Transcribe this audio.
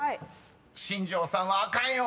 ［「新庄さんはあかんよ」